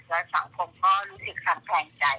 และสังคมก็รู้สึกคลังแคลงใจ